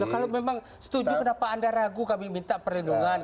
kalau memang setuju kenapa anda ragu kami minta perlindungan